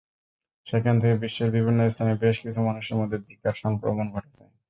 সেখান থেকে বিশ্বের বিভিন্ন স্থানে বেশ কিছু মানুষের মধ্যে জিকার সংক্রমণ ঘটেছে।